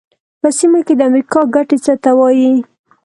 په سیمه کې د امریکا ګټې څه ته وایي.